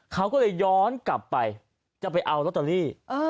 เขาก็เลยย้อนกลับไปจะไปเอาลอตเตอรี่